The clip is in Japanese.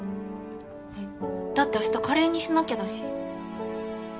えっだって明日カレーにしなきゃだし。